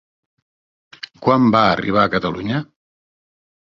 Quan va arribar a Catalunya?